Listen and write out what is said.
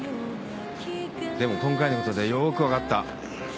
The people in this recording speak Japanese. でも今回のことでよく分かった。